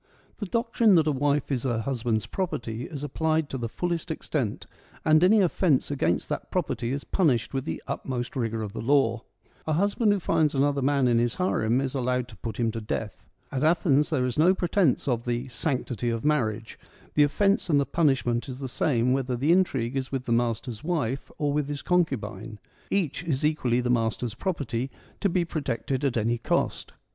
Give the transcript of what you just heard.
The doctrine that a wife is her husband's property is applied to the fullest extent, and any offence against that property is punished with the utmost rigour of the law. A husband who finds another man in his harem is allowed to put him to death. At Athens there is no pretence of ' the sanctity of mar riage ': the offence and the punishment is the same whether the intrigue is with the master's wife or with his concubine : each is equally the master's property, to be protected at any cost.